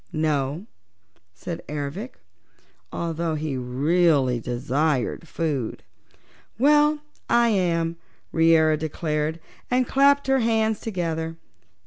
"No," said Ervic, although he really desired food. "Well, I am," Reera declared and clapped her hands together.